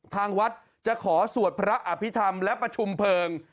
ทางวัดจะขอสวดพระอภิษฐรรมและประชุมเพลิง